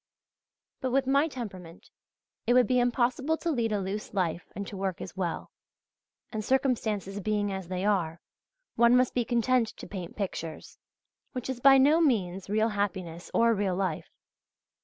But with my temperament it would be impossible to lead a loose life and to work as well, and circumstances being as they are, one must be content to paint pictures, which is by no means real happiness or real life.